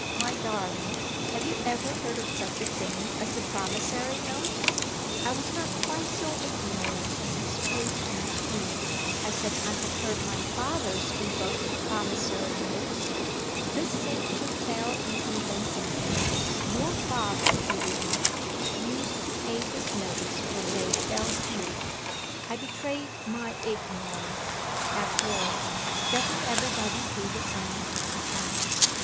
My darling, have you ever heard of such a thing as a promissory note?" I was not quite so ignorant as he supposed me to be; I said I had heard my father speak of promissory notes. This seemed to fail in convincing him. "Your father," he remarked, "used to pay his notes when they fell due." I betrayed my ignorance, after all. "Doesn't everybody do the same?" I asked.